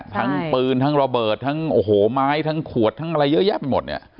ทั้งปืนทั้งระเบิดทั้งโอ้โหไม้ทั้งขวดทั้งอะไรเยอะแยะไปหมดเนี่ย